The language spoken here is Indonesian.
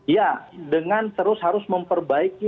ya dengan terus harus memperbaiki